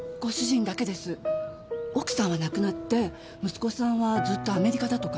奥さんは亡くなって息子さんはずっとアメリカだとか。